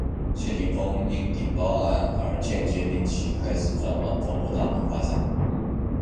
谢霆锋因顶包案而间接令其开始转往中国大陆发展。